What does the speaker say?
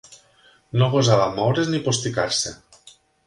No gosava moure's ni posticar-se.